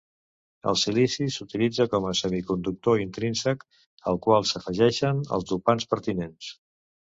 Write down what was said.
El silici s'utilitza com a semiconductor intrínsec, al qual s'afegeixen els dopants pertinents.